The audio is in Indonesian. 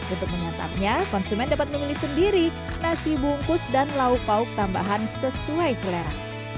untuk menyantapnya konsumen dapat memilih sendiri nasi bungkus dan lauk lauk tambahan sesuai selera